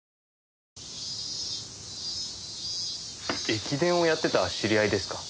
駅伝をやってた知り合いですか？